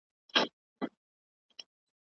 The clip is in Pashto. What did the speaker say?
د ځینو کورنیو مالي وسع پوره نه وي.